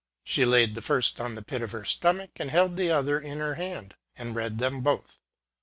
She laid the first on the pit of her stomach, and held the other in her hand, and read them both.